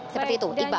seperti itu iqbal